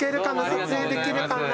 撮影できるかな。